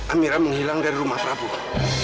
amira menghilang dari rumah prabowo